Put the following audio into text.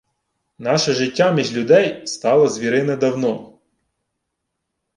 Наше життя між людей стало звірине давно.